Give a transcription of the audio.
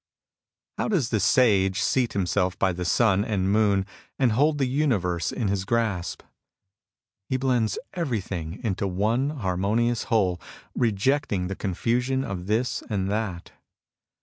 How does the Sage seat himself by the sun and moon, and hold the universe in his grasp ? He blends everything into one harmonious whole, rejecting the confusion of this and that.